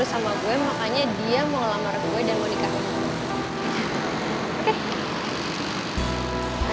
sama kayak apa lagi berbunga bunga